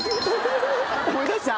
思い出した？